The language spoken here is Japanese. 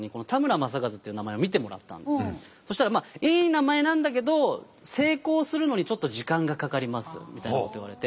そしたらいい名前なんだけど成功するのにちょっと時間がかかりますみたいなこと言われて。